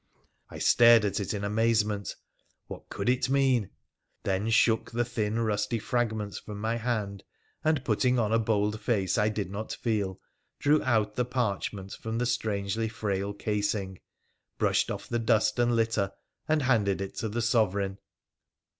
I stared at it in amazement. What could it mean ? Then shook the thin, rusty fragments from my hand, and, putting on a bold face I did not feel, drew out the parchment from the strangely frail casing, brushed off the dust and litter, and handed it to the Sovereign.